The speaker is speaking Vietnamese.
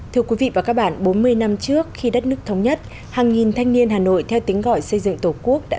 trước khi đất nước thống nhất hàng nghìn thanh niên hà nội theo tính gọi xây dựng tổ quốc đã